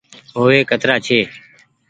هوئي ڪترآ ڇي۔